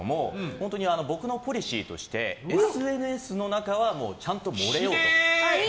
本当に僕のポリシーとしてＳＮＳの中はちゃんと盛れようと。